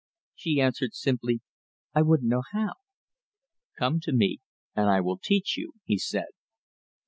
She answered, simply, "I wouldn't know how." "Come to me, and I will teach you," he said.